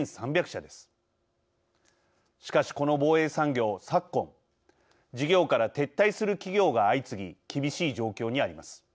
しかしこの防衛産業昨今事業から撤退する企業が相次ぎ厳しい状況にあります。